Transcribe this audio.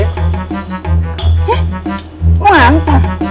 eh mau nganter